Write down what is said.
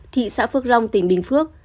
thị xã phước long tỉnh bình phước